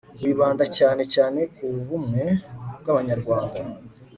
wibanda cyane cyane ku bumwe bw'abanyarwanda